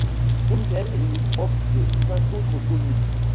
Bourniquel est limitrophe de cinq autres communes.